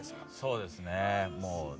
そうですね。